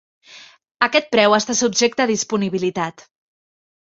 Aquest preu està subjecte a disponibilitat.